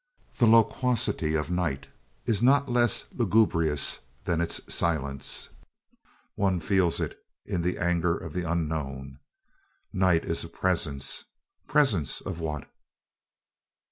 The loquacity of night is not less lugubrious than its silence. One feels in it the anger of the unknown. Night is a presence. Presence of what?